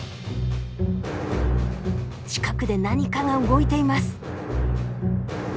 近くで何かが動いています。